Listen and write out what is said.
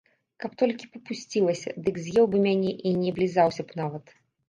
Каб толькі папусцілася, дык з'еў бы мяне і не аблізаўся б нават.